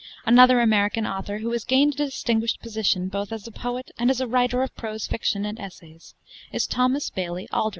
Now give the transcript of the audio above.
Another American author who has gained a distinguished position both as a poet and as a writer of prose fiction and essays is Thomas Bailey Aldrich.